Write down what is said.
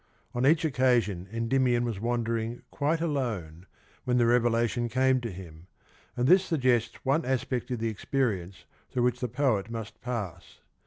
Un each occasion Endymion was wandering quite alone when the revelation came to him, and this suggests one aspect of the experience through which the poet must pass.